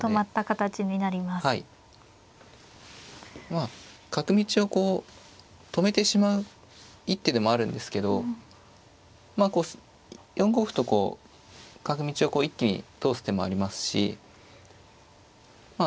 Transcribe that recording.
まあ角道をこう止めてしまう一手でもあるんですけどまあ４五歩とこう角道を一気に通す手もありますしま